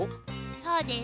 そうです。